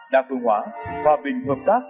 đa phương hóa hòa bình hợp tác